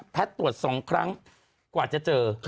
แพทย์ตรวจ๒ครั้งกว่าจะเจอ